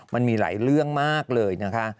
มันมีหลายเรื่องมากเลยนะคะ